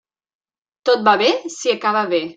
Tot va bé si acaba bé.